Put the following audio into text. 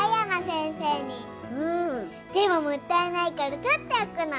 でももったいないからとっておくの！